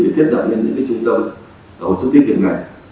để thiết lập những trung tâm hồ sức tích cực này